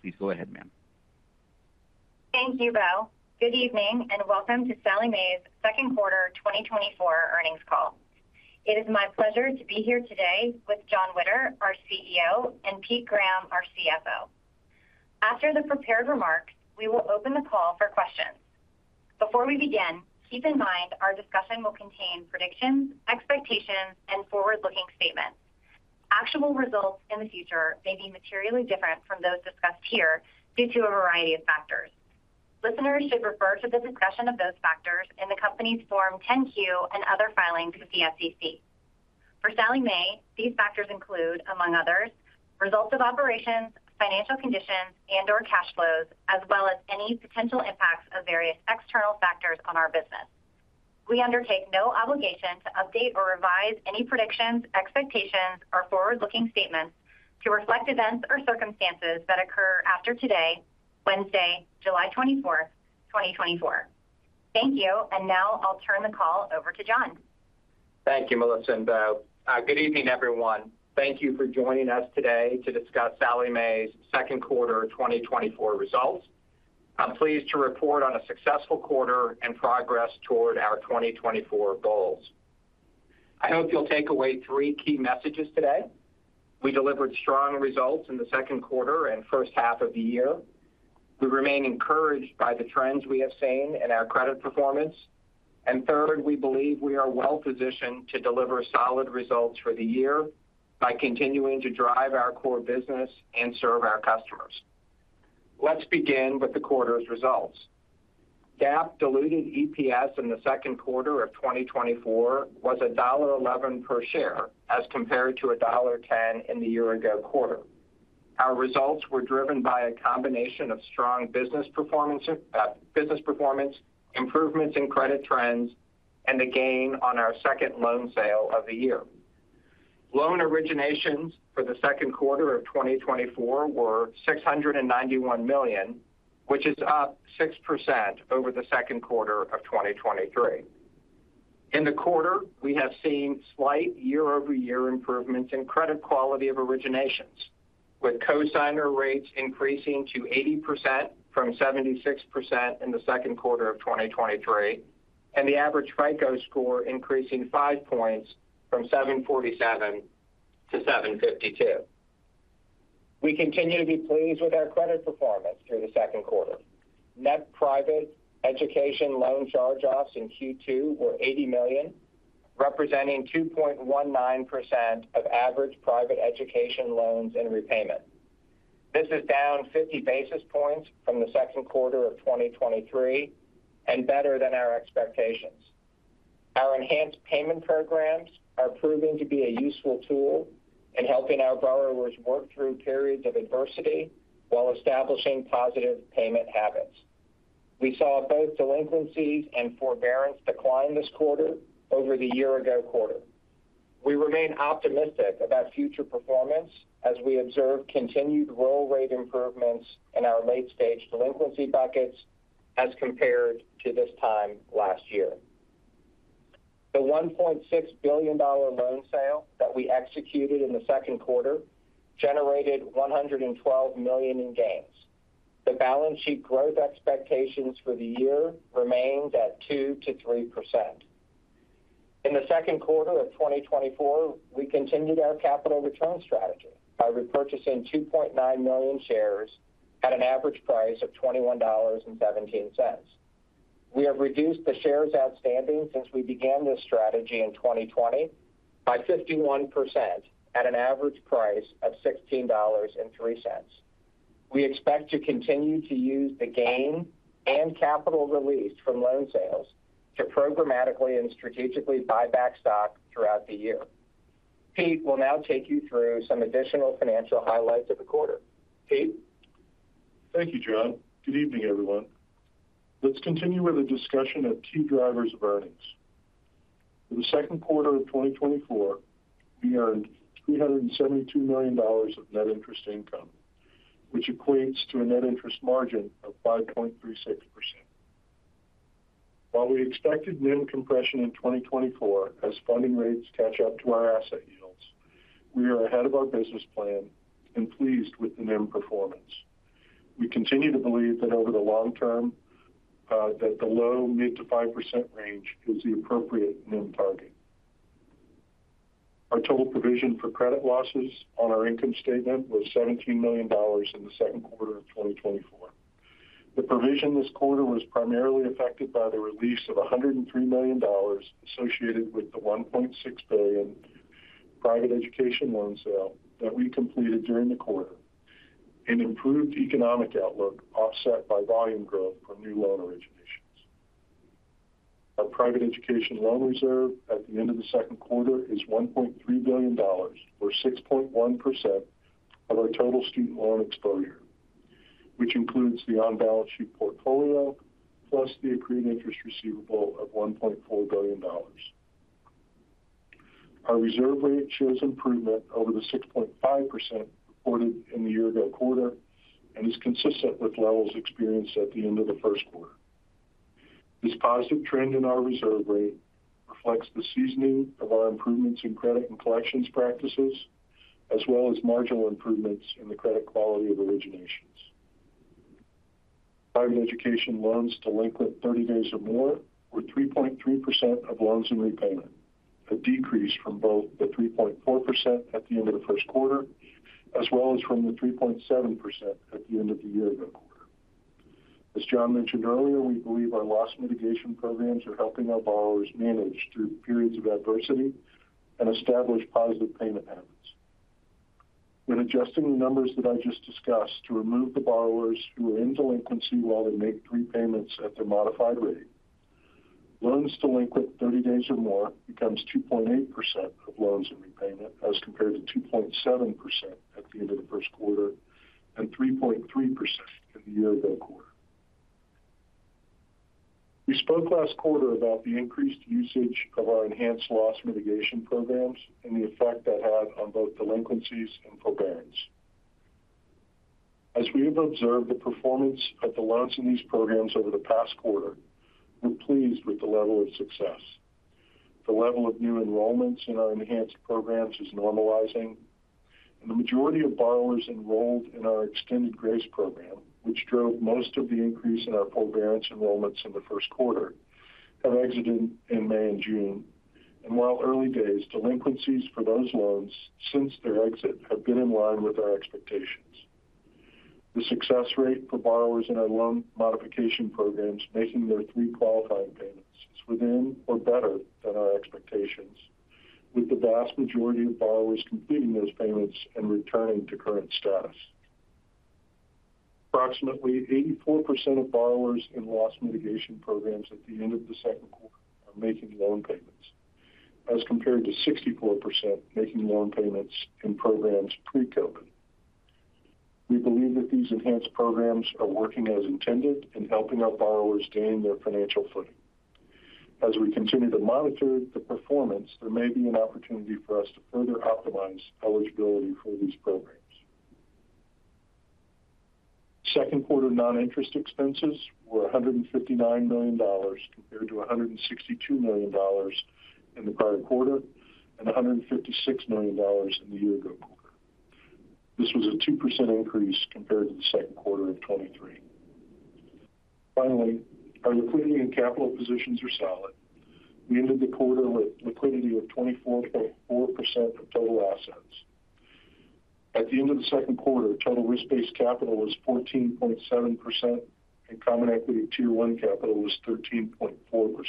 Please go ahead, ma'am. Thank you, Bo. Good evening, and welcome to Sallie Mae's second quarter 2024 earnings call. It is my pleasure to be here today with Jon Witter, our CEO, and Pete Graham, our CFO. After the prepared remarks, we will open the call for questions. Before we begin, keep in mind our discussion will contain predictions, expectations, and forward-looking statements. Actual results in the future may be materially different from those discussed here due to a variety of factors. Listeners should refer to the discussion of those factors in the company's Form 10-Q and other filings with the SEC. For Sallie Mae, these factors include, among others, results of operations, financial conditions, and/or cash flows, as well as any potential impacts of various external factors on our business. We undertake no obligation to update or revise any predictions, expectations, or forward-looking statements to reflect events or circumstances that occur after today, Wednesday, July 24, 2024. Thank you, and now I'll turn the call over to Jon. Thank you, Melissa and Bo. Good evening, everyone. Thank you for joining us today to discuss Sallie Mae's second quarter 2024 results. I'm pleased to report on a successful quarter and progress toward our 2024 goals. I hope you'll take away three key messages today. We delivered strong results in the second quarter and first half of the year. We remain encouraged by the trends we have seen in our credit performance. And third, we believe we are well positioned to deliver solid results for the year by continuing to drive our core business and serve our customers. Let's begin with the quarter's results. GAAP diluted EPS in the second quarter of 2024 was $1.11 per share, as compared to $1.10 in the year-ago quarter. Our results were driven by a combination of strong business performance, improvements in credit trends, and a gain on our second loan sale of the year. Loan originations for the second quarter of 2024 were $691 million, which is up 6% over the second quarter of 2023. In the quarter, we have seen slight year-over-year improvements in credit quality of originations, with cosigner rates increasing to 80% from 76% in the second quarter of 2023, and the average FICO score increasing five points from 747 to 752. We continue to be pleased with our credit performance through the second quarter. Net private education loan charge-offs in Q2 were $80 million, representing 2.19% of average private education loans in repayment. This is down 50 basis points from the second quarter of 2023 and better than our expectations. Our enhanced payment programs are proving to be a useful tool in helping our borrowers work through periods of adversity while establishing positive payment habits. We saw both delinquencies and forbearance decline this quarter over the year-ago quarter. We remain optimistic about future performance as we observe continued roll rate improvements in our late-stage delinquency buckets as compared to this time last year. The $1.6 billion loan sale that we executed in the second quarter generated $112 million in gains. The balance sheet growth expectations for the year remained at 2%-3%. In the second quarter of 2024, we continued our capital return strategy by repurchasing 2.9 million shares at an average price of $21.17. We have reduced the shares outstanding since we began this strategy in 2020, by 51% at an average price of $16.03. We expect to continue to use the gain and capital released from loan sales to programmatically and strategically buy back stock throughout the year. Pete will now take you through some additional financial highlights of the quarter. Pete? Thank you, Jon. Good evening, everyone. Let's continue with a discussion of key drivers of earnings. In the second quarter of 2024, we earned $372 million of net interest income, which equates to a net interest margin of 5.36%. While we expected NIM compression in 2024 as funding rates catch up to our asset yields, we are ahead of our business plan and pleased with the NIM performance. We continue to believe that over the long term, that the low mid to 5% range is the appropriate NIM target. Our total provision for credit losses on our income statement was $17 million in the second quarter of 2024. The provision this quarter was primarily affected by the release of $103 million associated with the $1.6 billion private education loan sale that we completed during the quarter, and improved economic outlook, offset by volume growth from new loan originations. Our private education loan reserve at the end of the second quarter is $1.3 billion, or 6.1% of our total student loan exposure, which includes the on-balance sheet portfolio, plus the accrued interest receivable of $1.4 billion. Our reserve rate shows improvement over the 6.5% reported in the year-ago quarter and is consistent with levels experienced at the end of the first quarter. This positive trend in our reserve rate reflects the seasoning of our improvements in credit and collections practices, as well as marginal improvements in the credit quality of originations. Private education loans delinquent 30 days or more were 3.3% of loans in repayment, a decrease from both the 3.4% at the end of the first quarter, as well as from the 3.7% at the end of the year-ago quarter. As Jon mentioned earlier, we believe our loss mitigation programs are helping our borrowers manage through periods of adversity and establish positive payment habits. When adjusting the numbers that I just discussed, to remove the borrowers who are in delinquency while they make 3 payments at their modified rate, loans delinquent 30 days or more becomes 2.8% of loans in repayment, as compared to 2.7% at the end of the first quarter, and 3.3% in the year-ago quarter. We spoke last quarter about the increased usage of our enhanced loss mitigation programs and the effect that had on both delinquencies and forbearance. As we have observed the performance of the loans in these programs over the past quarter, we're pleased with the level of success. The level of new enrollments in our enhanced programs is normalizing, and the majority of borrowers enrolled in our Extended Grace Program, which drove most of the increase in our forbearance enrollments in the first quarter, have exited in May and June. And while early days, delinquencies for those loans since their exit, have been in line with our expectations. The success rate for borrowers in our loan modification programs, making their three qualifying payments is within or better than our expectations, with the vast majority of borrowers completing those payments and returning to current status. Approximately 84% of borrowers in loss mitigation programs at the end of the second quarter are making loan payments, as compared to 64% making loan payments in programs pre-COVID. We believe that these enhanced programs are working as intended and helping our borrowers gain their financial footing. As we continue to monitor the performance, there may be an opportunity for us to further optimize eligibility for these programs. Second quarter non-interest expenses were $159 million, compared to $162 million in the prior quarter, and $156 million in the year-ago quarter. This was a 2% increase compared to the second quarter of 2023. Finally, our liquidity and capital positions are solid. We ended the quarter with liquidity of 24.4% of total assets. At the end of the second quarter, total risk-based capital was 14.7%, and Common Equity Tier 1 capital was 13.4%.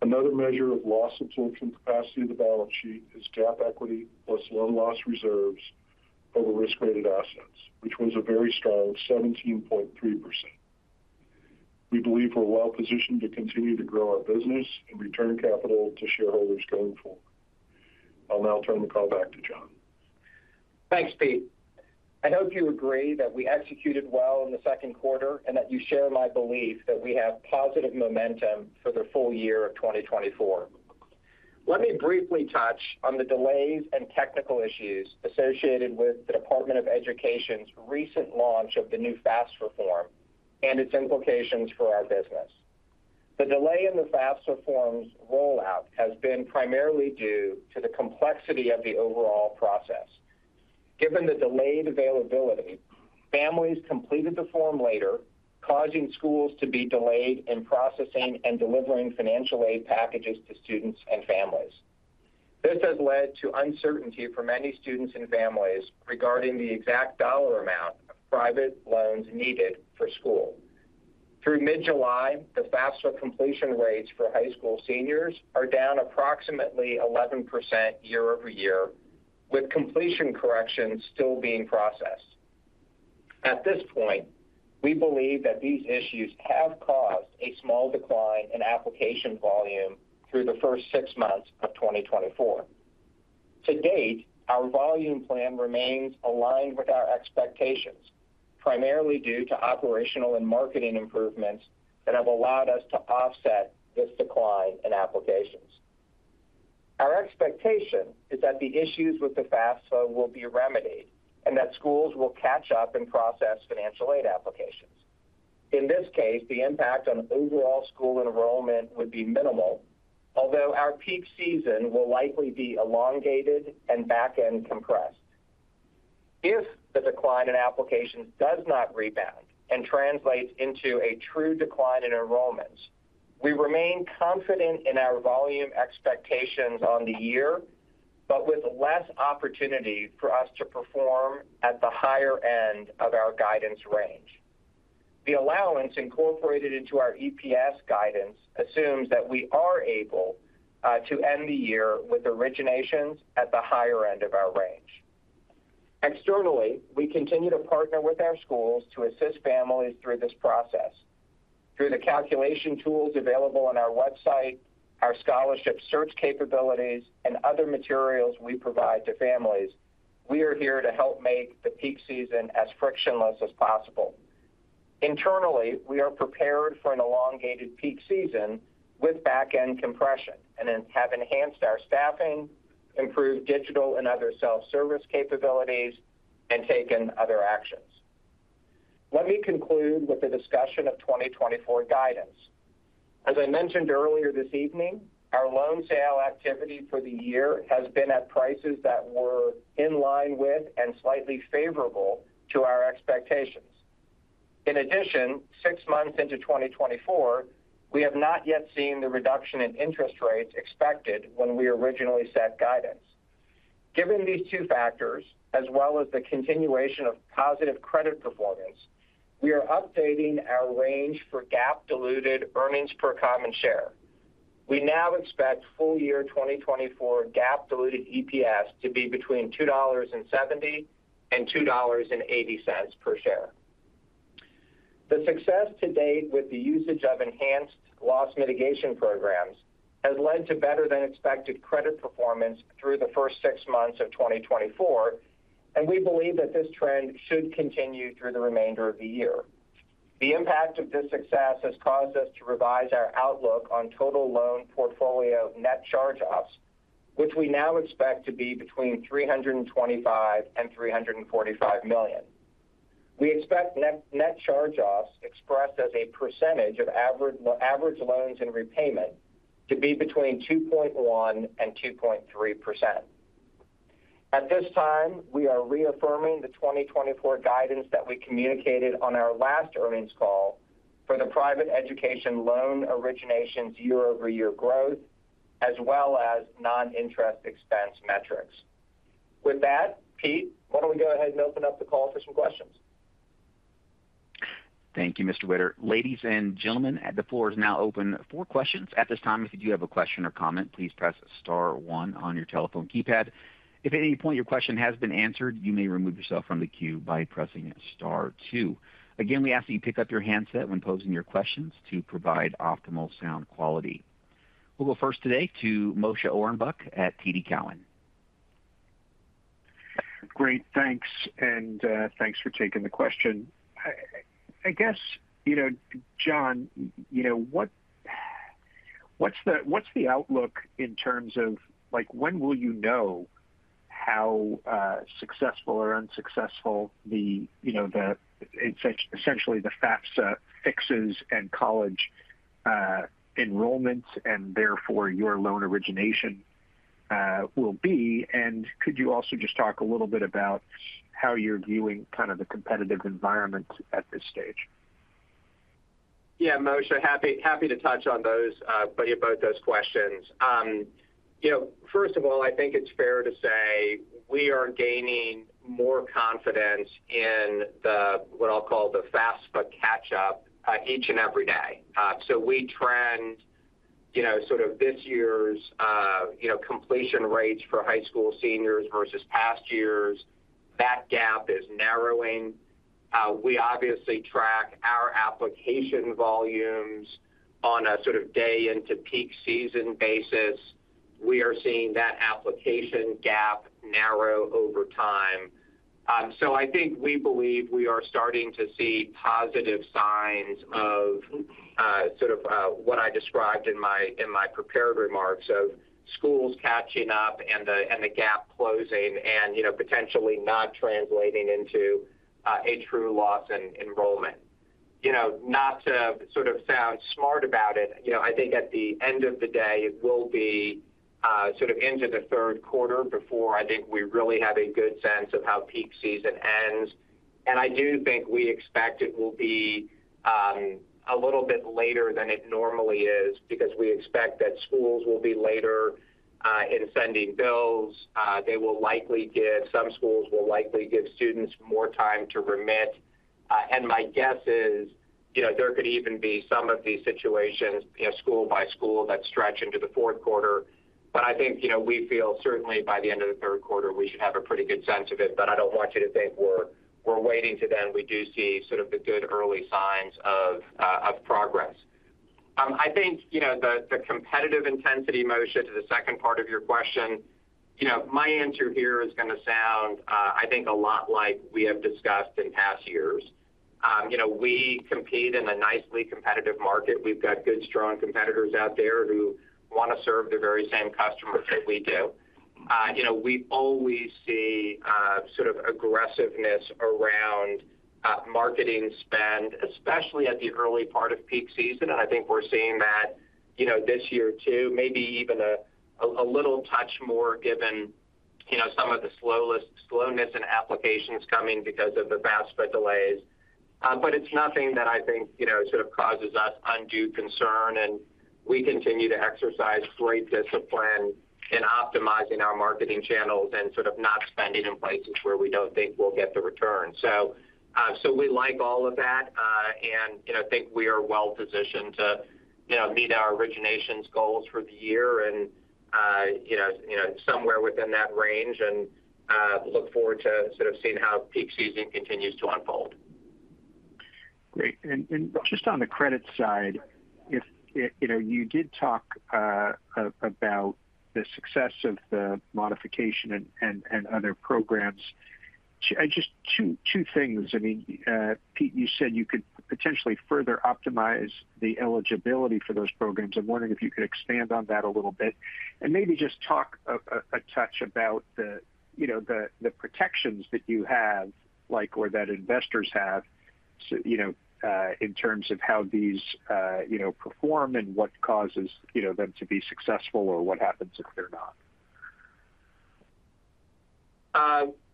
Another measure of loss absorption capacity of the balance sheet is GAAP equity, plus loan loss reserves over risk-weighted assets, which was a very strong 17.3%. We believe we're well positioned to continue to grow our business and return capital to shareholders going forward. I'll now turn the call back to Jon. Thanks, Pete. I hope you agree that we executed well in the second quarter, and that you share my belief that we have positive momentum for the full year of 2024. Let me briefly touch on the delays and technical issues associated with the Department of Education's recent launch of the new FAFSA reform and its implications for our business. The delay in the FAFSA reform's rollout has been primarily due to the complexity of the overall process. Given the delayed availability, families completed the form later, causing schools to be delayed in processing and delivering financial aid packages to students and families. This has led to uncertainty for many students and families regarding the exact dollar amount of private loans needed for school. Through mid-July, the FAFSA completion rates for high school seniors are down approximately 11% year-over-year, with completion corrections still being processed. At this point, we believe that these issues have caused a small decline in application volume through the first 6 months of 2024. To date, our volume plan remains aligned with our expectations, primarily due to operational and marketing improvements that have allowed us to offset this decline in applications. Our expectation is that the issues with the FAFSA will be remedied, and that schools will catch up and process financial aid applications. In this case, the impact on overall school enrollment would be minimal, although our peak season will likely be elongated and back-end compressed. If the decline in applications does not rebound and translates into a true decline in enrollments, we remain confident in our volume expectations on the year, but with less opportunity for us to perform at the higher end of our guidance range. The allowance incorporated into our EPS guidance assumes that we are able to end the year with originations at the higher end of our range. Externally, we continue to partner with our schools to assist families through this process. Through the calculation tools available on our website, our scholarship search capabilities, and other materials we provide to families, we are here to help make the peak season as frictionless as possible. Internally, we are prepared for an elongated peak season with back-end compression and then have enhanced our staffing, improved digital and other self-service capabilities, and taken other actions. Let me conclude with a discussion of 2024 guidance. As I mentioned earlier this evening, our loan sale activity for the year has been at prices that were in line with and slightly favorable to our expectations. In addition, 6 months into 2024, we have not yet seen the reduction in interest rates expected when we originally set guidance. Given these two factors, as well as the continuation of positive credit performance, we are updating our range for GAAP diluted earnings per common share. We now expect full year 2024 GAAP diluted EPS to be between $2.70 and $2.80 per share. The success to date with the usage of enhanced loss mitigation programs has led to better-than-expected credit performance through the first 6 months of 2024, and we believe that this trend should continue through the remainder of the year. The impact of this success has caused us to revise our outlook on total loan portfolio net charge-offs, which we now expect to be between $325 million and $345 million. We expect net charge-offs, expressed as a percentage of average loans in repayment, to be between 2.1% and 2.3%. At this time, we are reaffirming the 2024 guidance that we communicated on our last earnings call for the private education loan originations year-over-year growth, as well as non-interest expense metrics. With that, Pete, why don't we go ahead and open up the call for some questions? Thank you, Mr. Witter. Ladies and gentlemen, the floor is now open for questions. At this time, if you do have a question or comment, please press star one on your telephone keypad. If at any point your question has been answered, you may remove yourself from the queue by pressing star two. Again, we ask that you pick up your handset when posing your questions to provide optimal sound quality. We'll go first today to Moshe Orenbuch at TD Cowen. Great, thanks, and, thanks for taking the question. I guess, you know, Jon, you know, what's the outlook in terms of like, when will you know how successful or unsuccessful the, you know, essentially, the FAFSA fixes and college enrollments and therefore your loan origination will be? And could you also just talk a little bit about how you're viewing kind of the competitive environment at this stage? Yeah, Moshe, happy, happy to touch on those, about those questions. You know, first of all, I think it's fair to say we are gaining more confidence in the, what I'll call the FAFSA catch up, each and every day. So we trend, you know, sort of this year's, you know, completion rates for high school seniors versus past years. That gap is narrowing. We obviously track our application volumes on a sort of day into peak season basis. We are seeing that application gap narrow over time. So I think we believe we are starting to see positive signs of, sort of, what I described in my, in my prepared remarks of schools catching up and the, and the gap closing and, you know, potentially not translating into, a true loss in enrollment. You know, not to sort of sound smart about it, you know, I think at the end of the day, it will be sort of into the third quarter before I think we really have a good sense of how peak season ends. And I do think we expect it will be a little bit later than it normally is, because we expect that schools will be later in sending bills. Some schools will likely give students more time to remit. And my guess is, you know, there could even be some of these situations, you know, school by school, that stretch into the fourth quarter. But I think, you know, we feel certainly by the end of the third quarter, we should have a pretty good sense of it. But I don't want you to think we're waiting to then we do see sort of the good early signs of progress. I think, you know, the competitive intensity, Moshe, to the second part of your question, you know, my answer here is going to sound, I think, a lot like we have discussed in past years. You know, we compete in a nicely competitive market. We've got good, strong competitors out there who want to serve the very same customers that we do. You know, we always see sort of aggressiveness around marketing spend, especially at the early part of peak season. And I think we're seeing that, you know, this year too, maybe even a little touch more given, you know, some of the slowness in applications coming because of the FAFSA delays. But it's nothing that I think, you know, sort of causes us undue concern, and we continue to exercise great discipline in optimizing our marketing channels and sort of not spending in places where we don't think we'll get the return. So, so we like all of that, and, you know, think we are well positioned to, you know, meet our originations goals for the year and, you know, you know, somewhere within that range and, look forward to sort of seeing how peak season continues to unfold. Great. Just on the credit side, you know, you did talk about the success of the modification and other programs. Just two things. I mean, Pete, you said you could potentially further optimize the eligibility for those programs. I'm wondering if you could expand on that a little bit, and maybe just talk a touch about the, you know, the protections that you have, like, or that investors have? So, you know, in terms of how these, you know, perform and what causes, you know, them to be successful, or what happens if they're not?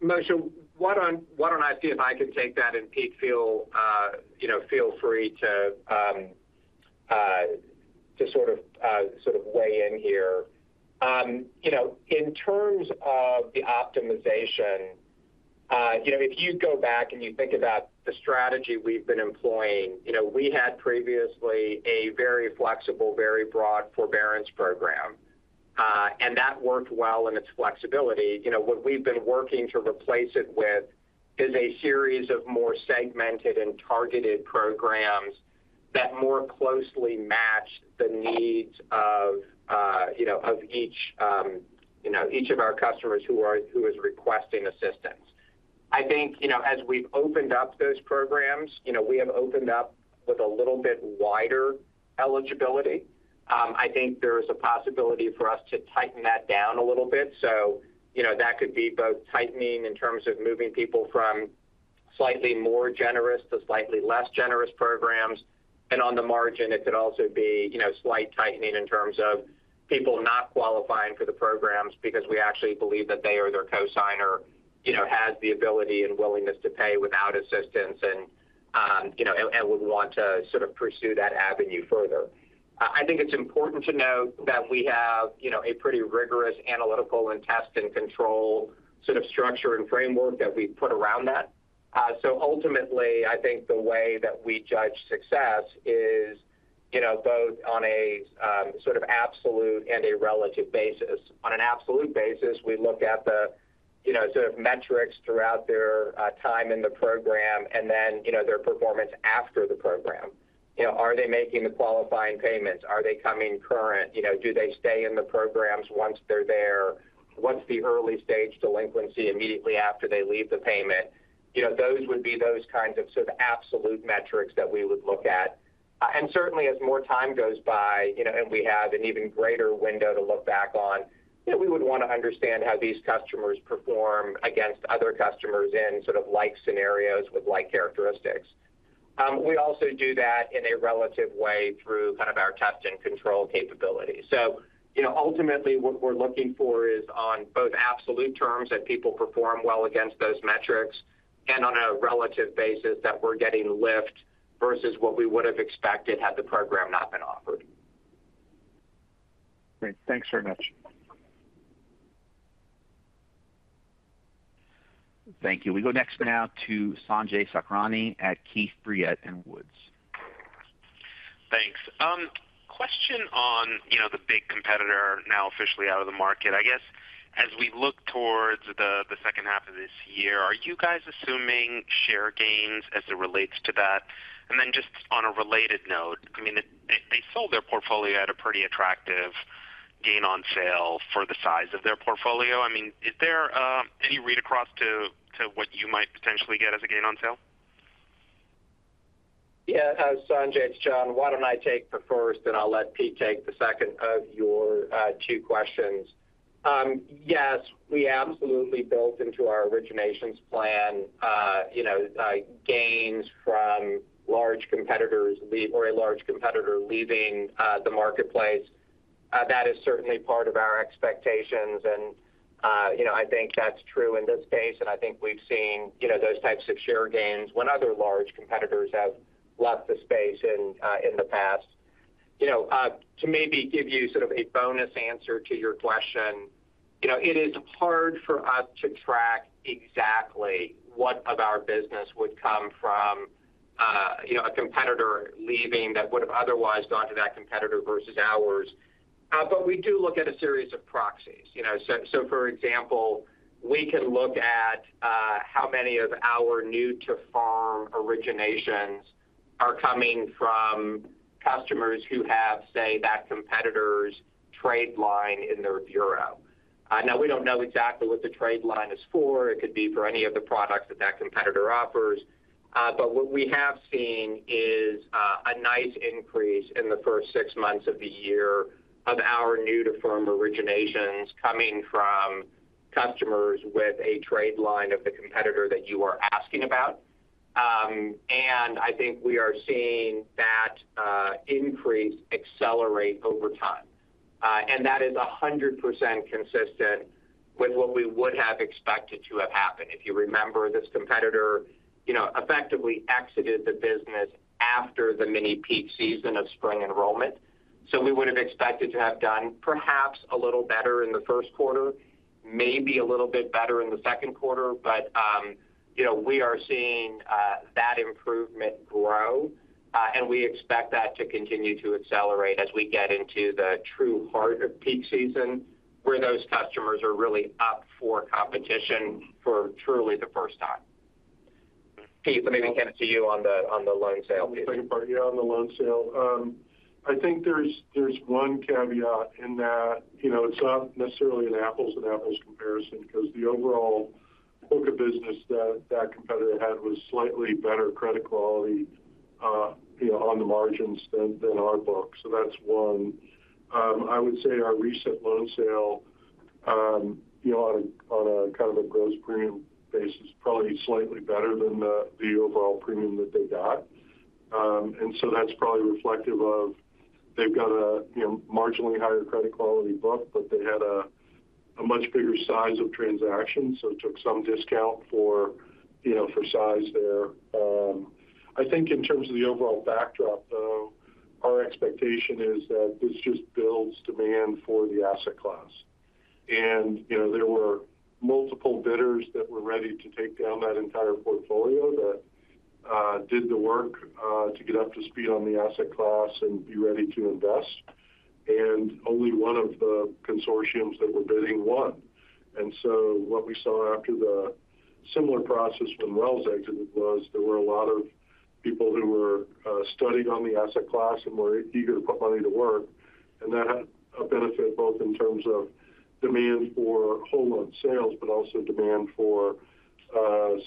Moshe, why don't I see if I can take that, and, Pete, you know, feel free to sort of weigh in here. You know, in terms of the optimization, you know, if you go back and you think about the strategy we've been employing, you know, we had previously a very flexible, very broad forbearance program. And that worked well in its flexibility. You know, what we've been working to replace it with is a series of more segmented and targeted programs that more closely match the needs of, you know, of each, you know, each of our customers who is requesting assistance. I think, you know, as we've opened up those programs, you know, we have opened up with a little bit wider eligibility. I think there is a possibility for us to tighten that down a little bit. So, you know, that could be both tightening in terms of moving people from slightly more generous to slightly less generous programs. And on the margin, it could also be, you know, slight tightening in terms of people not qualifying for the programs because we actually believe that they or their cosigner, you know, has the ability and willingness to pay without assistance, and, you know, and, and would want to sort of pursue that avenue further. I think it's important to note that we have, you know, a pretty rigorous analytical and test and control sort of structure and framework that we've put around that. So ultimately, I think the way that we judge success is, you know, both on a, sort of absolute and a relative basis. On an absolute basis, we look at the, you know, sort of metrics throughout their time in the program, and then, you know, their performance after the program. You know, are they making the qualifying payments? Are they coming current? You know, do they stay in the programs once they're there? What's the early stage delinquency immediately after they leave the payment? You know, those would be those kinds of sort of absolute metrics that we would look at. And certainly, as more time goes by, you know, and we have an even greater window to look back on, you know, we would want to understand how these customers perform against other customers in sort of like scenarios with like characteristics. We also do that in a relative way through kind of our test and control capability. So, you know, ultimately, what we're looking for is on both absolute terms, that people perform well against those metrics, and on a relative basis, that we're getting lift versus what we would have expected had the program not been offered. Great. Thanks very much. Thank you. We go next now to Sanjay Sakhrani at Keefe, Bruyette & Woods. Thanks. Question on, you know, the big competitor now officially out of the market. I guess, as we look towards the second half of this year, are you guys assuming share gains as it relates to that? And then just on a related note, I mean, they sold their portfolio at a pretty attractive gain on sale for the size of their portfolio. I mean, is there any read across to what you might potentially get as a gain on sale? Yeah, Sanjay, it's Jon. Why don't I take the first, and I'll let Pete take the second of your two questions. Yes, we absolutely built into our originations plan, you know, gains from large competitors or a large competitor leaving the marketplace. That is certainly part of our expectations, and, you know, I think that's true in this case, and I think we've seen, you know, those types of share gains when other large competitors have left the space in the past. You know, to maybe give you sort of a bonus answer to your question, you know, it is hard for us to track exactly what of our business would come from, you know, a competitor leaving that would have otherwise gone to that competitor versus ours. But we do look at a series of proxies. You know, so, for example, we can look at how many of our new to firm originations are coming from customers who have, say, that competitor's trade line in their bureau. Now, we don't know exactly what the trade line is for. It could be for any of the products that that competitor offers. But what we have seen is a nice increase in the first six months of the year of our new to firm originations coming from customers with a trade line of the competitor that you are asking about. And I think we are seeing that increase accelerate over time. And that is 100% consistent with what we would have expected to have happened. If you remember, this competitor, you know, effectively exited the business after the mini peak season of spring enrollment. So we would have expected to have done perhaps a little better in the first quarter, maybe a little bit better in the second quarter. But, you know, we are seeing that improvement grow, and we expect that to continue to accelerate as we get into the true heart of peak season, where those customers are really up for competition for truly the first time. Pete, let me hand it to you on the loan sale piece. The second part, yeah, on the loan sale. I think there's, there's one caveat in that, you know, it's not necessarily an apples and apples comparison because the overall book of business that that competitor had was slightly better credit quality, you know, on the margins than, than our book. So that's one. I would say our recent loan sale, you know, on a, on a kind of a gross premium basis, probably slightly better than the, the overall premium that they got. And so that's probably reflective of they've got a, you know, marginally higher credit quality book, but they had a, a much bigger size of transactions, so it took some discount for, you know, for size there. I think in terms of the overall backdrop, though, our expectation is that this just builds demand for the asset class. You know, there were multiple bidders that were ready to take down that entire portfolio that did the work to get up to speed on the asset class and be ready to invest. Only one of the consortiums that were bidding won. So what we saw after the similar process when Wells exited was there were a lot of people who were studying on the asset class and were eager to put money to work. And that had a benefit both in terms of demand for whole loan sales, but also demand for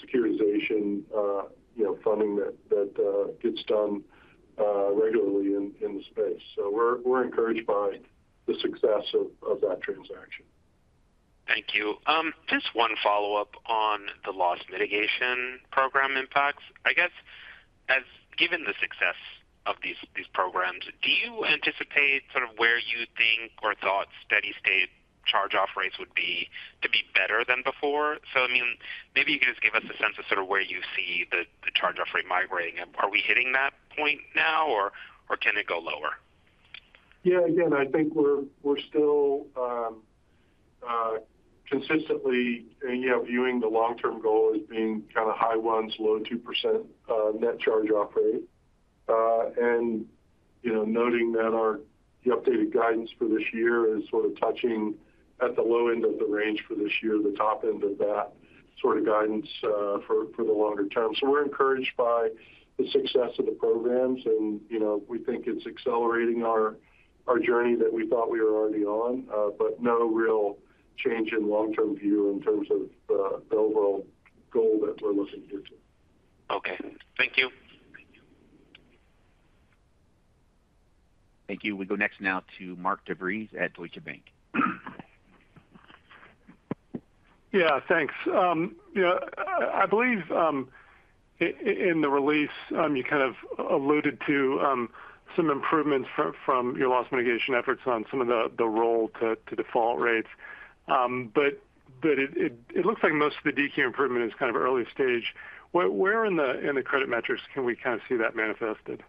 securitization, you know, funding that gets done regularly in the space. So we're encouraged by the success of that transaction. Thank you. Just one follow-up on the loss mitigation program impacts. I guess, as given the success of these, these programs, do you anticipate sort of where you think or thought steady state charge-off rates would be to be better than before? So, I mean, maybe you can just give us a sense of sort of where you see the charge-off rate migrating. And are we hitting that point now, or can it go lower? Yeah, again, I think we're still consistently, you know, viewing the long-term goal as being kind of high 1s, low 2% net charge-off rate. And, you know, noting that our the updated guidance for this year is sort of touching at the low end of the range for this year, the top end of that sort of guidance for the longer term. So we're encouraged by the success of the programs, and, you know, we think it's accelerating our journey that we thought we were already on, but no real change in long-term view in terms of the overall goal that we're looking here to. Okay. Thank you. Thank you. We go next now to Mark DeVries at Deutsche Bank. Yeah, thanks. You know, I believe in the release you kind of alluded to some improvements from your loss mitigation efforts on some of the roll to default rates. But it looks like most of the DQ improvement is kind of early stage. Where in the credit metrics can we kind of see that manifested?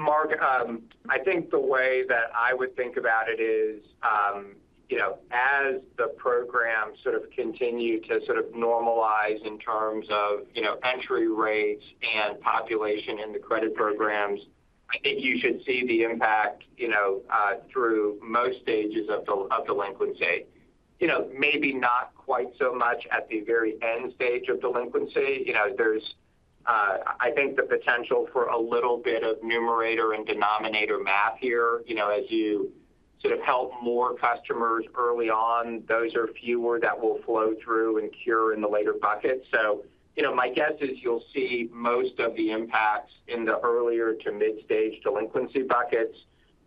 Mark, I think the way that I would think about it is, you know, as the program sort of continue to sort of normalize in terms of, you know, entry rates and population in the credit programs, I think you should see the impact, you know, through most stages of delinquency. You know, maybe not quite so much at the very end stage of delinquency. You know, there's, I think the potential for a little bit of numerator and denominator math here. You know, as you sort of help more customers early on, those are fewer that will flow through and cure in the later buckets. So, you know, my guess is you'll see most of the impacts in the earlier to mid-stage delinquency buckets.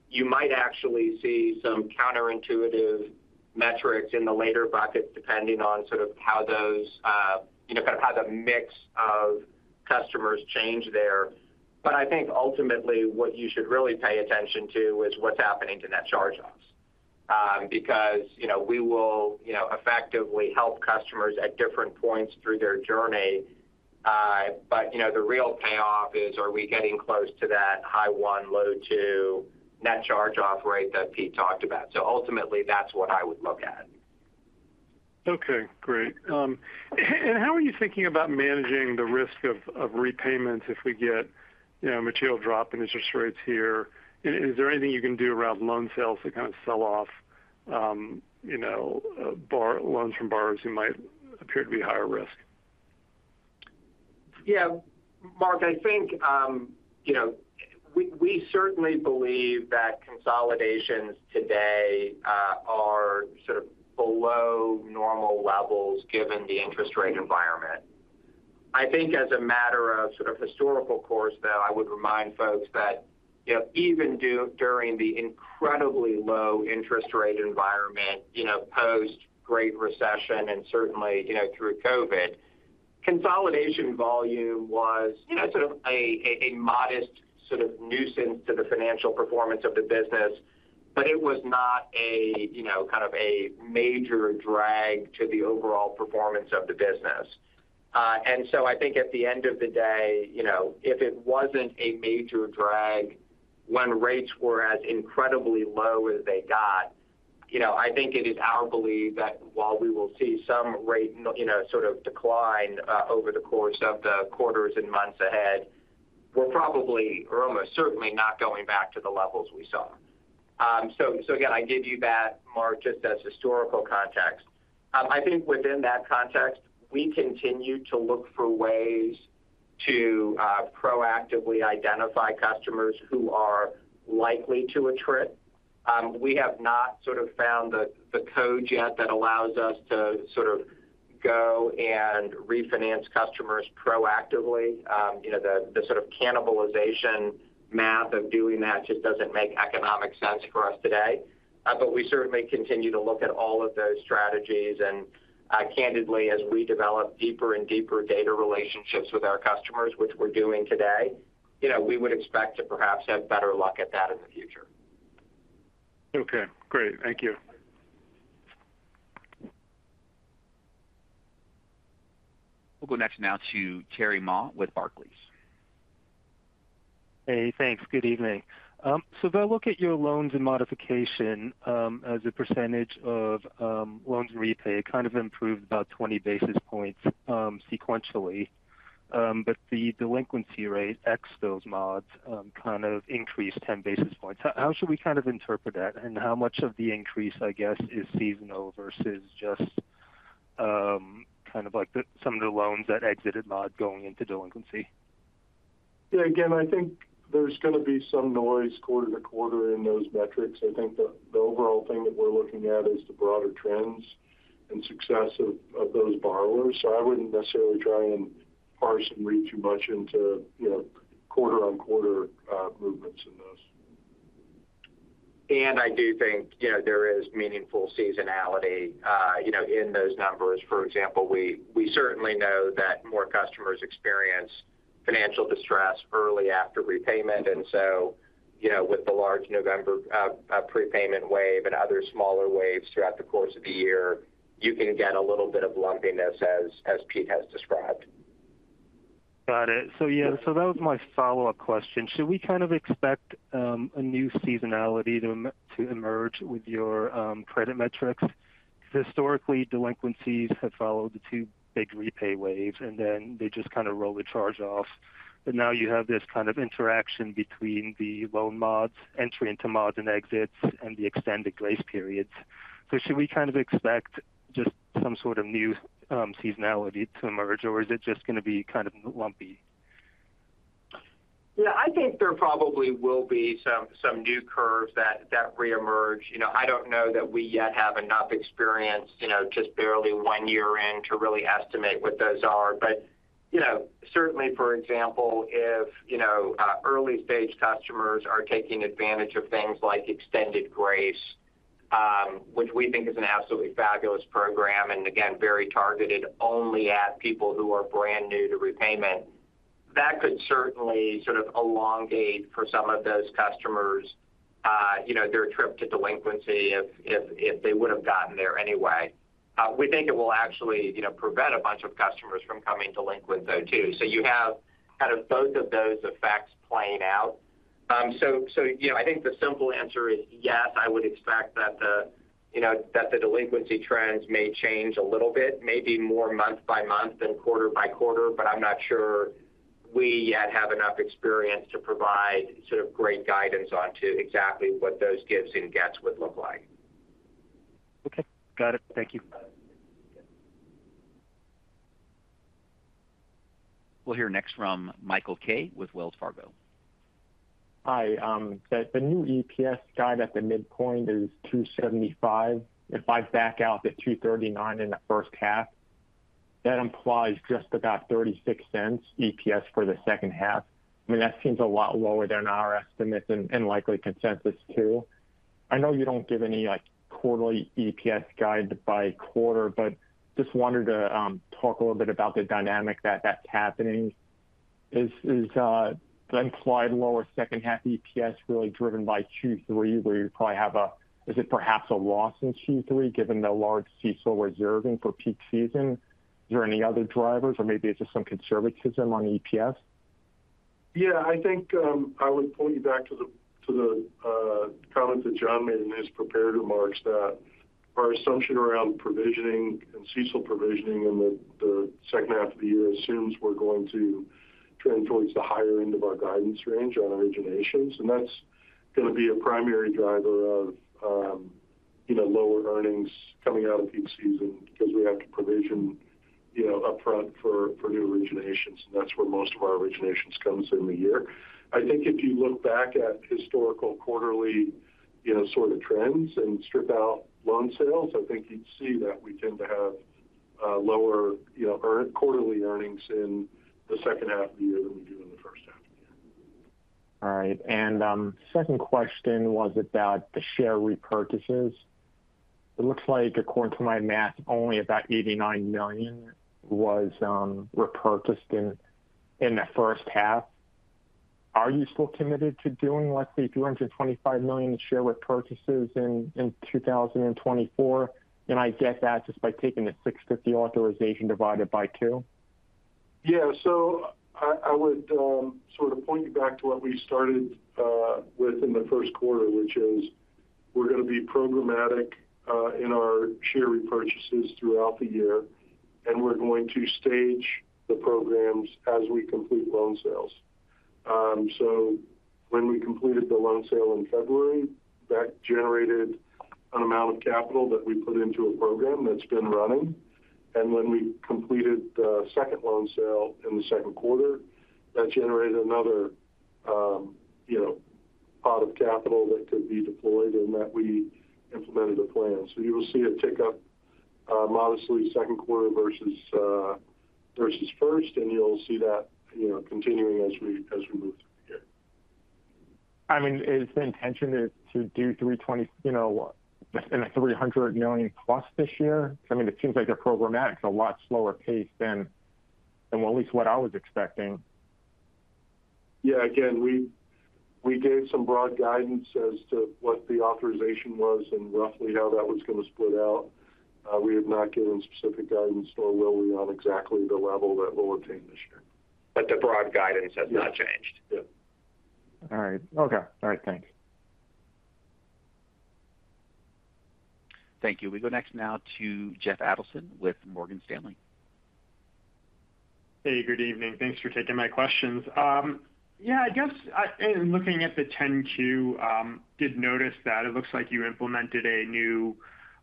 You might actually see some counterintuitive metrics in the later buckets, depending on sort of how those, you know, kind of how the mix of customers change there. But I think ultimately, what you should really pay attention to is what's happening to net charge-offs. Because, you know, we will, you know, effectively help customers at different points through their journey. But, you know, the real payoff is, are we getting close to that high 1, low 2 net charge-off rate that Pete talked about? So ultimately, that's what I would look at. Okay, great. And how are you thinking about managing the risk of repayments if we get, you know, a material drop in interest rates here? And is there anything you can do around loan sales to kind of sell off, you know, loans from borrowers who might appear to be higher risk? Yeah, Mark, I think, you know, we certainly believe that consolidations today are sort of below normal levels given the interest rate environment. I think as a matter of sort of historical course, though, I would remind folks that, you know, even during the incredibly low interest rate environment, you know, post-Great Recession and certainly, you know, through COVID, consolidation volume was, you know, sort of a modest sort of nuisance to the financial performance of the business, but it was not a, you know, kind of a major drag to the overall performance of the business. And so I think at the end of the day, you know, if it wasn't a major drag when rates were as incredibly low as they got, you know, I think it is our belief that while we will see some rate, you know, sort of decline over the course of the quarters and months ahead, we're probably or almost certainly not going back to the levels we saw. So, so again, I give you that, Mark, just as historical context. I think within that context, we continue to look for ways to proactively identify customers who are likely to attrit. We have not sort of found the code yet that allows us to sort of go and refinance customers proactively. You know, the sort of cannibalization math of doing that just doesn't make economic sense for us today. We certainly continue to look at all of those strategies. Candidly, as we develop deeper and deeper data relationships with our customers, which we're doing today, you know, we would expect to perhaps have better luck at that in the future. Okay, great. Thank you. We'll go next now to Terry Ma with Barclays. Hey, thanks. Good evening. So if I look at your loans and modification, as a percentage of, loans repay, it kind of improved about 20 basis points, sequentially. But the delinquency rate, ex those mods, kind of increased 10 basis points. How should we kind of interpret that? And how much of the increase, I guess, is seasonal versus just, kind of like the, some of the loans that exited mod going into delinquency? Yeah, again, I think there's gonna be some noise quarter to quarter in those metrics. I think the overall thing that we're looking at is the broader trends and success of those borrowers. So I wouldn't necessarily try and parse and read too much into, you know, quarter-on-quarter movements in those. I do think, you know, there is meaningful seasonality, you know, in those numbers. For example, we certainly know that more customers experience financial distress early after repayment. And so, you know, with the large November prepayment wave and other smaller waves throughout the course of the year, you can get a little bit of lumpiness as Pete has described. Got it. So, yeah, so that was my follow-up question. Should we kind of expect a new seasonality to emerge with your credit metrics? Because historically, delinquencies have followed the two big repay waves, and then they just kind of roll the charge off. But now you have this kind of interaction between the loan mods, entry into mods and exits, and the extended grace periods. So should we kind of expect just some sort of new seasonality to emerge, or is it just gonna be kind of lumpy? Yeah, I think there probably will be some new curves that reemerge. You know, I don't know that we yet have enough experience, you know, just barely one year in, to really estimate what those are. But, you know, certainly, for example, if, you know, early-stage customers are taking advantage of things like Extended Grace, which we think is an absolutely fabulous program, and again, very targeted only at people who are brand new to repayment. That could certainly sort of elongate for some of those customers, you know, their trip to delinquency if they would have gotten there anyway. We think it will actually, you know, prevent a bunch of customers from coming delinquent, though, too. So you have kind of both of those effects playing out. So, you know, I think the simple answer is yes. I would expect that the, you know, that the delinquency trends may change a little bit, maybe more month by month than quarter by quarter. But I'm not sure we yet have enough experience to provide sort of great guidance onto exactly what those gives and gets would look like. Okay. Got it. Thank you. We'll hear next from Michael Kaye with Wells Fargo. Hi, the new EPS guide at the midpoint is $2.75. If I back out the $2.39 in the first half, that implies just about $0.36 EPS for the second half. I mean, that seems a lot lower than our estimates and likely consensus too. I know you don't give any, like, quarterly EPS guide by quarter, but just wanted to talk a little bit about the dynamic that's happening. Is the implied lower second half EPS really driven by Q3, where you probably have a loss in Q3, given the large CECL reserving for peak season? Is there any other drivers or maybe it's just some conservatism on EPS? Yeah, I think, I would point you back to the comment that Jon made in his prepared remarks, that our assumption around provisioning and CECL provisioning in the second half of the year assumes we're going to trend towards the higher end of our guidance range on originations. And that's gonna be a primary driver of, you know, lower earnings coming out of peak season because we have to provision, you know, upfront for new originations, and that's where most of our originations comes in the year. I think if you look back at historical quarterly, you know, sort of trends and strip out loan sales, I think you'd see that we tend to have lower, you know, quarterly earnings in the second half of the year than we do in the first half of the year. All right. And second question was about the share repurchases. It looks like, according to my math, only about $89 million was repurchased in the first half. Are you still committed to doing, let's say, $225 million share repurchases in 2024? And I get that just by taking the $650 authorization divided by two. Yeah. So I would sort of point you back to what we started with in the first quarter, which is we're gonna be programmatic in our share repurchases throughout the year, and we're going to stage the programs as we complete loan sales. So when we completed the loan sale in February, that generated an amount of capital that we put into a program that's been running. And when we completed the second loan sale in the second quarter, that generated another pot of capital that could be deployed and that we implemented a plan. So you will see it tick up modestly second quarter versus first, and you'll see that, you know, continuing as we move through the year. I mean, is the intention to do 320, you know, in a $300 million+ this year? I mean, it seems like a programmatic, a lot slower pace than at least what I was expecting. Yeah. Again, we, we gave some broad guidance as to what the authorization was and roughly how that was gonna split out. We have not given specific guidance, nor will we, on exactly the level that we'll attain this year. But the broad guidance has not changed? Yeah. All right. Okay. All right, thanks. Thank you. We go next now to Jeff Adelson with Morgan Stanley. Hey, good evening. Thanks for taking my questions. Yeah, I guess, in looking at the 10-Q, did notice that it looks like you implemented a new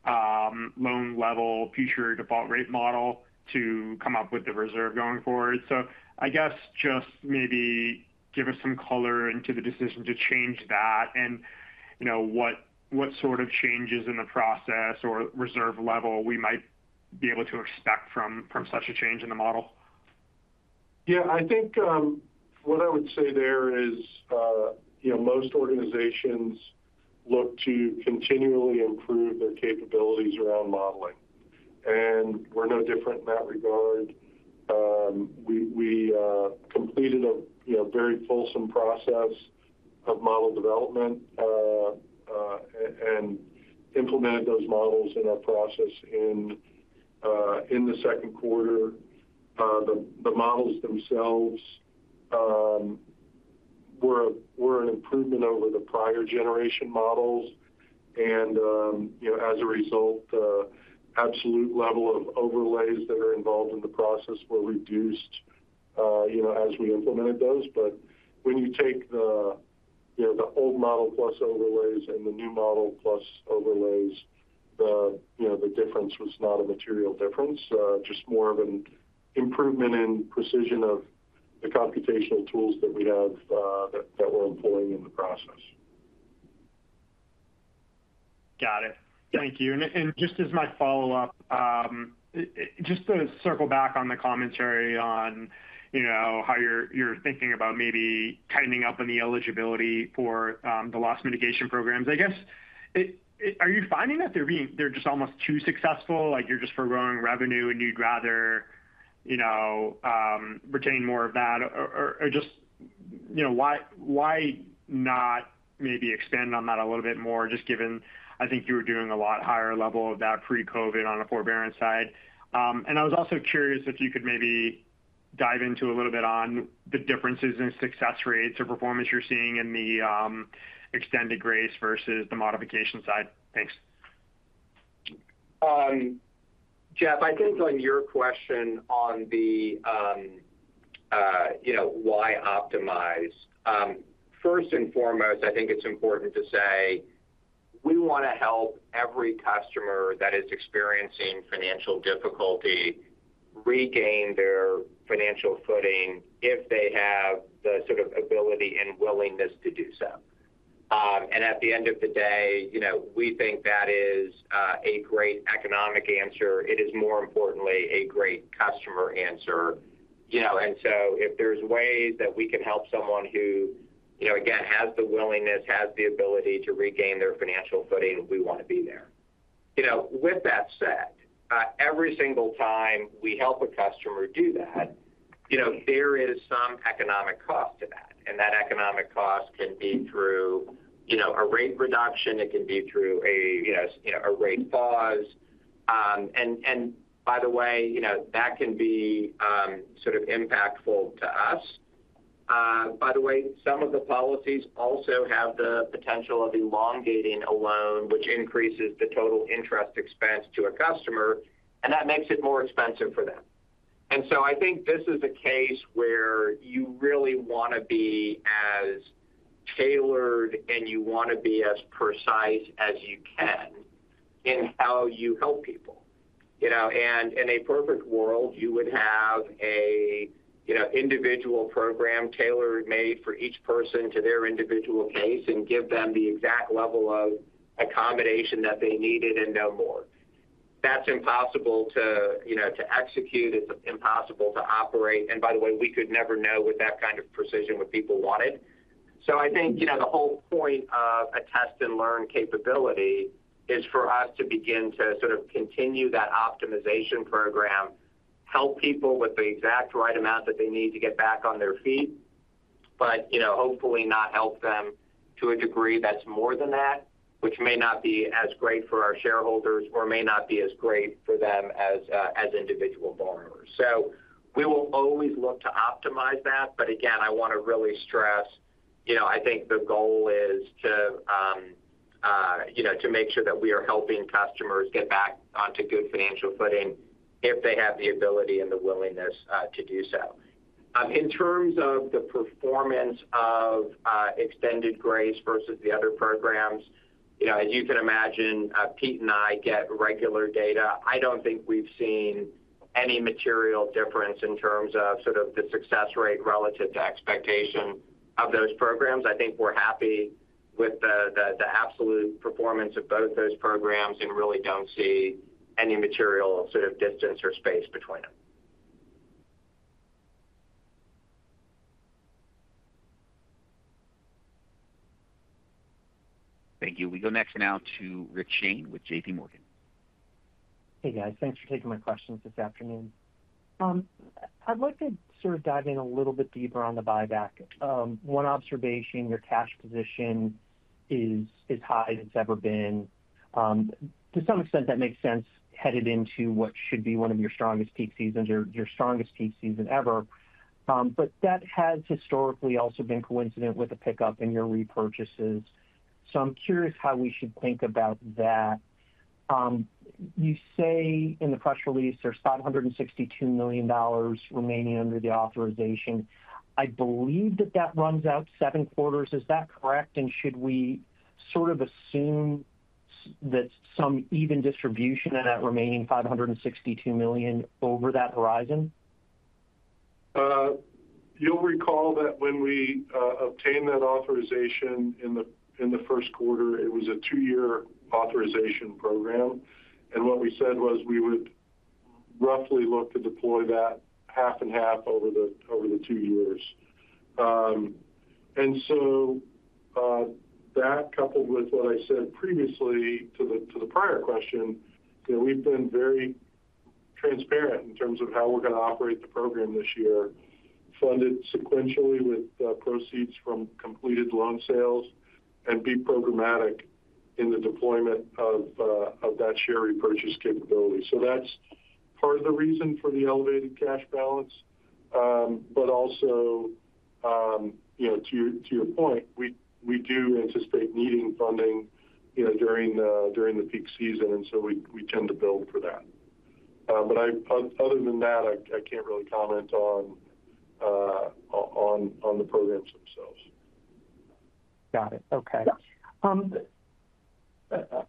loan-level future default rate model to come up with the reserve going forward. So I guess just maybe give us some color into the decision to change that and, you know, what sort of changes in the process or reserve level we might be able to expect from such a change in the model? Yeah, I think what I would say there is, you know, most organizations look to continually improve their capabilities around modeling, and we're no different in that regard. We completed, you know, a very fulsome process of model development and implemented those models in our process in the second quarter. The models themselves were an improvement over the prior generation models. And, you know, as a result, the absolute level of overlays that are involved in the process were reduced, you know, as we implemented those. But when you take the, you know, the old model plus overlays and the new model plus overlays, the, you know, the difference was not a material difference, just more of an improvement in precision of the computational tools that we have, that we're employing in the process. Got it. Yeah. Thank you. Just as my follow-up, just to circle back on the commentary on, you know, how you're thinking about maybe tightening up on the eligibility for the loss mitigation programs. I guess, are you finding that they're being, they're just almost too successful, like you're just for growing revenue, and you'd rather, you know, retain more of that? Or just, you know, why not maybe expand on that a little bit more, just given I think you were doing a lot higher level of that pre-COVID on the forbearance side. And I was also curious if you could maybe dive into a little bit on the differences in success rates or performance you're seeing in the extended grace versus the modification side. Thanks. Jeff, I think on your question on the, you know, why optimize? First and foremost, I think it's important to say, we want to help every customer that is experiencing financial difficulty regain their financial footing if they have the sort of ability and willingness to do so. And at the end of the day, you know, we think that is a great economic answer. It is, more importantly, a great customer answer. You know, and so if there's ways that we can help someone who, you know, again, has the willingness, has the ability to regain their financial footing, we want to be there. You know, with that said, every single time we help a customer do that, you know, there is some economic cost to that, and that economic cost can be through, you know, a rate reduction. It can be through a, you know, a rate pause. And by the way, you know, that can be sort of impactful to us. By the way, some of the policies also have the potential of elongating a loan, which increases the total interest expense to a customer, and that makes it more expensive for them. And so I think this is a case where you really want to be as tailored, and you want to be as precise as you can in how you help people. You know, and in a perfect world, you would have a, you know, individual program, tailor-made for each person to their individual case, and give them the exact level of accommodation that they needed and no more. That's impossible to, you know, to execute. It's impossible to operate, and by the way, we could never know with that kind of precision what people wanted. So I think, you know, the whole point of a test and learn capability is for us to begin to sort of continue that optimization program, help people with the exact right amount that they need to get back on their feet. But, you know, hopefully not help them to a degree that's more than that, which may not be as great for our shareholders or may not be as great for them as individual borrowers. So we will always look to optimize that. But again, I want to really stress, you know, I think the goal is to, you know, to make sure that we are helping customers get back onto good financial footing if they have the ability and the willingness, to do so. In terms of the performance of extended grace versus the other programs. You know, as you can imagine, Pete and I get regular data. I don't think we've seen any material difference in terms of sort of the success rate relative to expectation of those programs. I think we're happy with the absolute performance of both those programs and really don't see any material sort of distance or space between them. Thank you. We go next now to Rich Shane with JPMorgan. Hey, guys. Thanks for taking my questions this afternoon. I'd like to sort of dive in a little bit deeper on the buyback. One observation, your cash position is as high as it's ever been. To some extent, that makes sense, headed into what should be one of your strongest peak seasons or your strongest peak season ever. But that has historically also been coincident with a pickup in your repurchases. So I'm curious how we should think about that. You say in the press release there's $562 million remaining under the authorization. I believe that that runs out seven quarters. Is that correct? And should we sort of assume that some even distribution of that remaining $562 million over that horizon? You'll recall that when we obtained that authorization in the first quarter, it was a two-year authorization program, and what we said was we would roughly look to deploy that half and half over the two years. And so, that coupled with what I said previously to the prior question, you know, we've been very transparent in terms of how we're going to operate the program this year, fund it sequentially with proceeds from completed loan sales and be programmatic in the deployment of that share repurchase capability. So that's part of the reason for the elevated cash balance. But also, you know, to your point, we do anticipate needing funding, you know, during the peak season, and so we tend to build for that. But other than that, I can't really comment on the programs themselves. Got it. Okay. Yeah.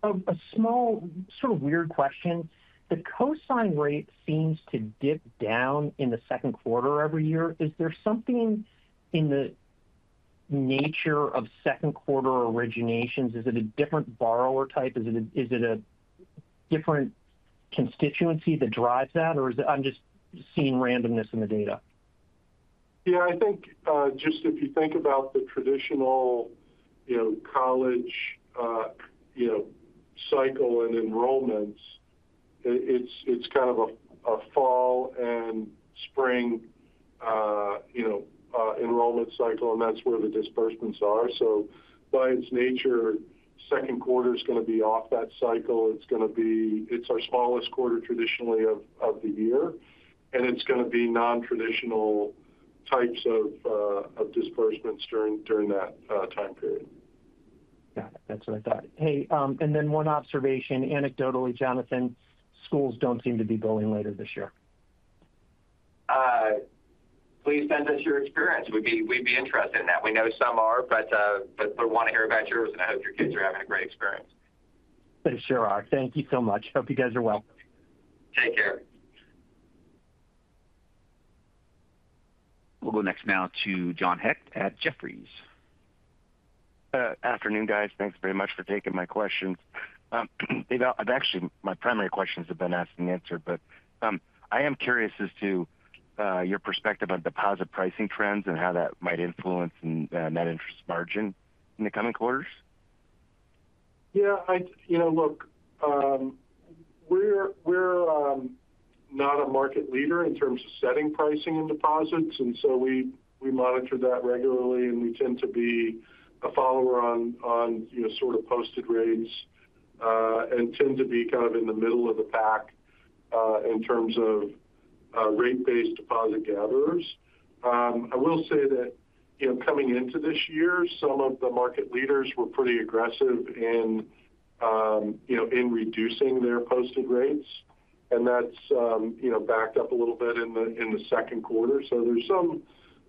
A small sort of weird question. The cosign rate seems to dip down in the second quarter every year. Is there something in the nature of second quarter originations? Is it a different borrower type? Is it a different constituency that drives that, or is it I'm just seeing randomness in the data? Yeah, I think, just if you think about the traditional, you know, college, you know, cycle and enrollments, it's, it's kind of a fall and spring, you know, enrollment cycle, and that's where the disbursements are. So by its nature, second quarter is going to be off that cycle. It's going to be, it's our smallest quarter traditionally of the year, and it's going to be nontraditional types of disbursements during that time period. Got it. That's what I thought. Hey, and then one observation. Anecdotally, Jonathan, schools don't seem to be billing later this year. Please send us your experience. We'd be interested in that. We know some are, but we want to hear about yours, and I hope your kids are having a great experience. They sure are. Thank you so much. Hope you guys are well. Take care. We'll go next now to John Hecht at Jefferies. Afternoon, guys. Thanks very much for taking my questions. I've actually, my primary questions have been asked and answered, but I am curious as to your perspective on deposit pricing trends and how that might influence net interest margin in the coming quarters. Yeah, you know, look, we're not a market leader in terms of setting pricing in deposits, and so we monitor that regularly, and we tend to be a follower on you know, sort of posted rates, and tend to be kind of in the middle of the pack in terms of rate-based deposit gatherers. I will say that you know, coming into this year, some of the market leaders were pretty aggressive in you know, in reducing their posted rates, and that's you know, backed up a little bit in the second quarter. So there's some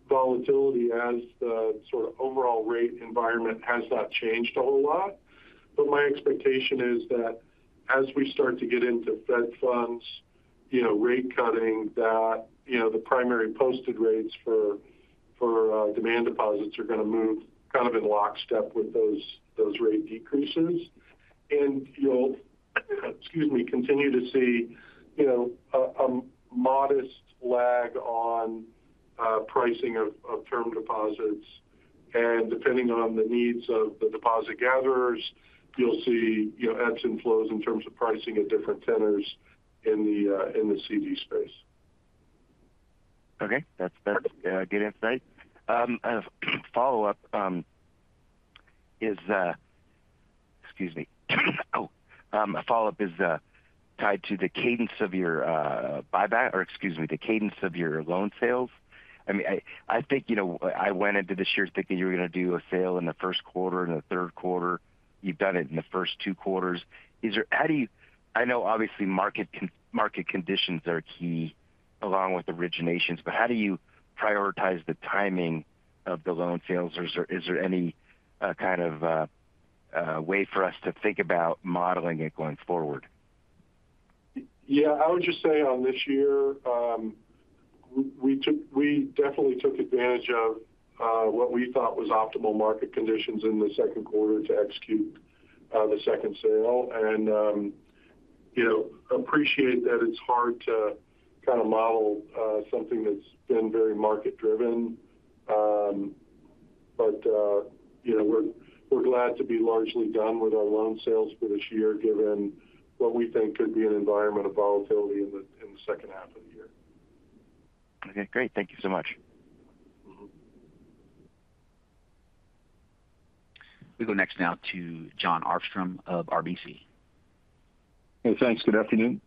volatility as the sort of overall rate environment has not changed a whole lot. But my expectation is that as we start to get into Fed funds, you know, rate cutting, that, you know, the primary posted rates for demand deposits are going to move kind of in lockstep with those rate decreases. And you'll, excuse me, continue to see, you know, a modest lag on pricing of term deposits, and depending on the needs of the deposit gatherers, you'll see, you know, ebbs and flows in terms of pricing at different tenors in the CD space. Okay. That's, that's good insight. Kind of follow-up is, excuse me. Oh, a follow-up is tied to the cadence of your buyback or excuse me, the cadence of your loan sales. I mean, I think, you know, I went into this year thinking you were going to do a sale in the first quarter and the third quarter. You've done it in the first two quarters. Is there - how do you - I know obviously market con - market conditions are key along with originations, but how do you prioritize the timing of the loan sales, or is there, is there any kind of way for us to think about modeling it going forward? Yeah, I would just say on this year, we definitely took advantage of what we thought was optimal market conditions in the second quarter to execute the second sale. And, you know, appreciate that it's hard to kind of model something that's been very market driven. But, you know, we're glad to be largely done with our loan sales for this year, given what we think could be an environment of volatility in the second half of the year. Okay, great. Thank you so much. Mm-hmm. We go next now to Jon Arfstrom of RBC. Hey, thanks. Good afternoon.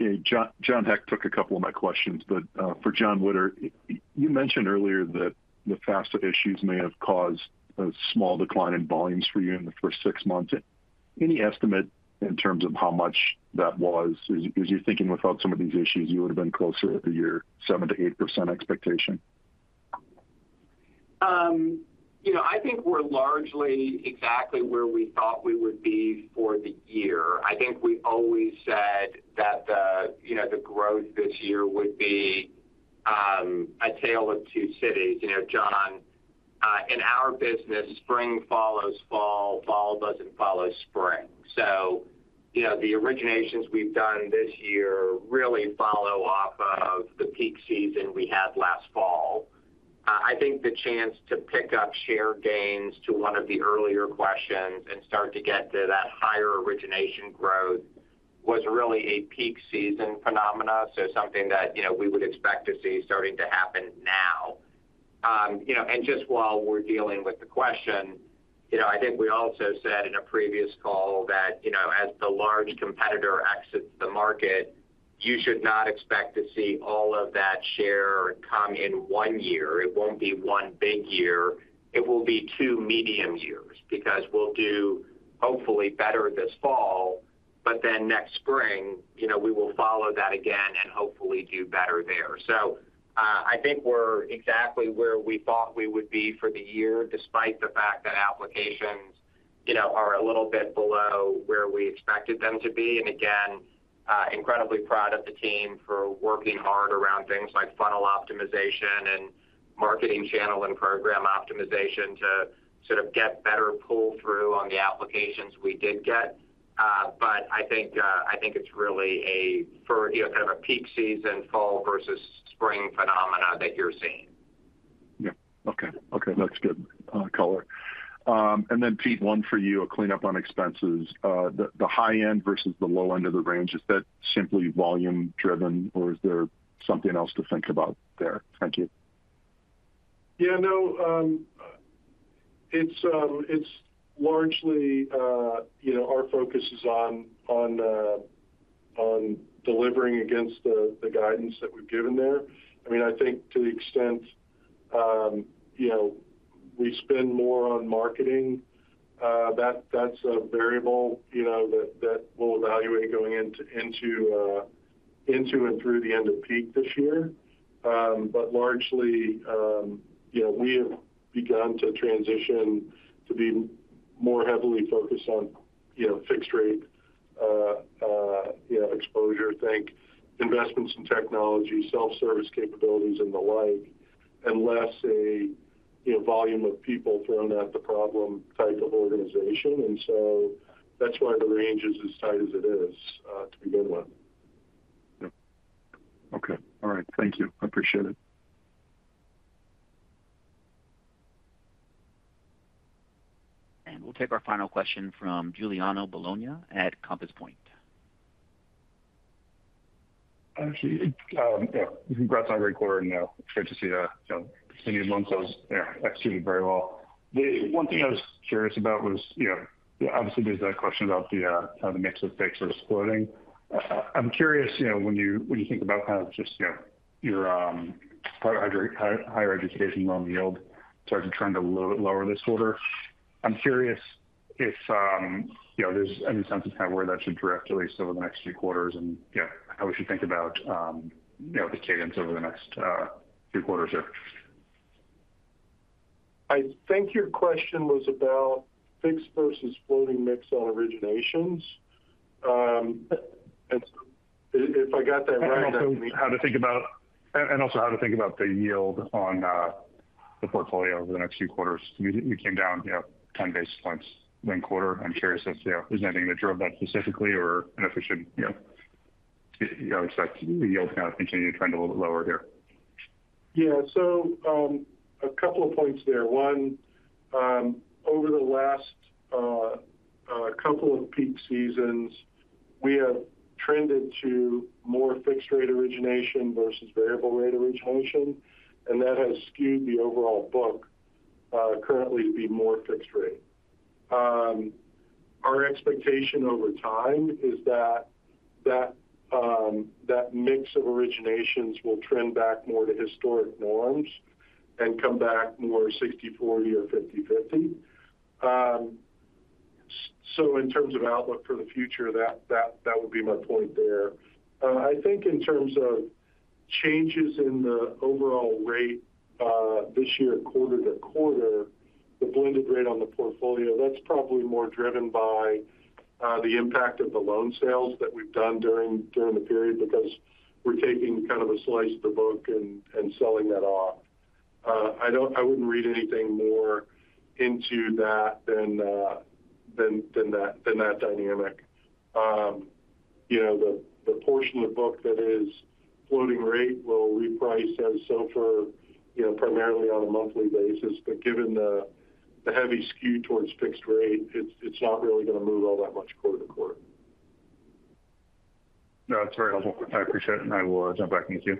Yeah, John, John Hecht took a couple of my questions, but for Jon Witter. You mentioned earlier that the FAFSA issues may have caused a small decline in volumes for you in the first six months. Any estimate in terms of how much that was? Is your thinking without some of these issues, you would've been closer to your 7%-8% expectation? You know, I think we're largely exactly where we thought we would be for the year. I think we always said that the, you know, the growth this year would be a tale of two cities. You know, Jon, in our business, spring follows fall, fall doesn't follow spring. So, you know, the originations we've done this year really follow off of the peak season we had last fall. I think the chance to pick up share gains to one of the earlier questions and start to get to that higher origination growth was really a peak season phenomena. So something that, you know, we would expect to see starting to happen now. You know, and just while we're dealing with the question, you know, I think we also said in a previous call that, you know, as the large competitor exits the market, you should not expect to see all of that share come in one year. It won't be one big year, it will be two medium years, because we'll do hopefully better this fall, but then next spring, you know, we will follow that again and hopefully do better there. So, I think we're exactly where we thought we would be for the year, despite the fact that applications, you know, are a little bit below where we expected them to be. And again, incredibly proud of the team for working hard around things like funnel optimization and marketing channel and program optimization to sort of get better pull-through on the applications we did get. But I think, I think it's really, you know, kind of a peak season, fall versus spring phenomena that you're seeing. Yeah. Okay, okay, that's good, color. And then, Pete, one for you, a cleanup on expenses. The high end versus the low end of the range, is that simply volume driven, or is there something else to think about there? Thank you. Yeah, no, it's largely, you know, our focus is on delivering against the guidance that we've given there. I mean, I think to the extent, you know, we spend more on marketing, that's a variable, you know, that we'll evaluate going into and through the end of peak this year. But largely, you know, we have begun to transition to being more heavily focused on, you know, fixed rate, you know, exposure. Think investments in technology, self-service capabilities and the like, and less of a, you know, volume of people thrown at the problem type of organization. And so that's why the range is as tight as it is, to begin with. Yeah. Okay. All right. Thank you. I appreciate it. We'll take our final question from Giuliano Bologna at Compass Point. Actually, yeah, congrats on a great quarter, and, great to see the, you know, continued loan sales. Yeah, executed very well. The one thing I was curious about was, you know, obviously there's that question about the, the mix of fixed versus floating. I'm curious, you know, when you, when you think about kind of just, you know, your, higher, higher education loan yield starting to trend a little lower this quarter. I'm curious if, you know, there's any sense of kind of where that should drift at least over the next few quarters, and, you know, how we should think about, you know, the cadence over the next, few quarters here? I think your question was about fixed versus floating mix on originations, if I got that right. And also how to think about the yield on the portfolio over the next few quarters. You came down, yeah, 10 basis points one quarter. I'm curious if, you know, is there anything that drove that specifically or, and if we should, you know, expect the yield to kind of continue to trend a little bit lower here? Yeah. So, a couple of points there. One, over the last couple of peak seasons, we have trended to more fixed rate origination versus variable rate origination, and that has skewed the overall book currently to be more fixed rate. Our expectation over time is that that mix of originations will trend back more to historic norms and come back more 60/40 or 50/50. So in terms of outlook for the future, that would be my point there. I think in terms of changes in the overall rate this year, quarter to quarter, the blended rate on the portfolio, that's probably more driven by the impact of the loan sales that we've done during the period, because we're taking kind of a slice of the book and selling that off. I wouldn't read anything more into that than that dynamic. You know, the portion of the book that is floating rate will reprice as SOFR, you know, primarily on a monthly basis. But given the heavy skew towards fixed rate, it's not really going to move all that much quarter to quarter. No, that's very helpful. I appreciate it, and I will jump back with you.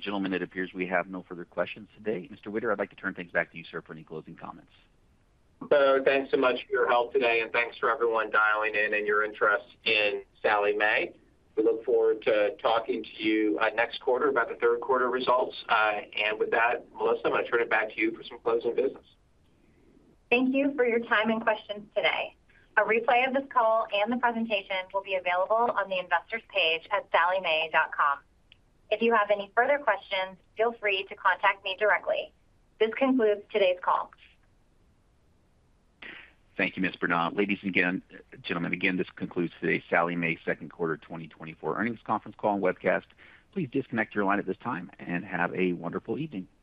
Gentlemen, it appears we have no further questions today. Mr. Witter, I'd like to turn things back to you, sir, for any closing comments. Thanks so much for your help today, and thanks for everyone dialing in and your interest in Sallie Mae. We look forward to talking to you next quarter about the third quarter results. With that, Melissa, I'm going to turn it back to you for some closing business. Thank you for your time and questions today. A replay of this call and the presentation will be available on the Investors page at salliemae.com. If you have any further questions, feel free to contact me directly. This concludes today's call. Thank you, Ms. Bronaugh. Ladies and gentlemen, again, this concludes today's Sallie Mae second quarter 2024 earnings conference call and webcast. Please disconnect your line at this time, and have a wonderful evening. Goodbye.